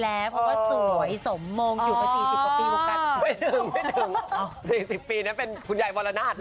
ไม่ถึง๔๐ปีนั้นเป็นคุณใหญ่มรรณาช